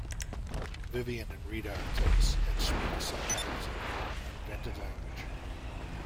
Vivian and Rita are close and speak sometimes in their own invented language.